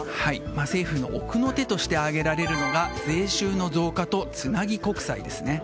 政府の奥の手として挙げられるのが税収の増加とつなぎ国債ですね。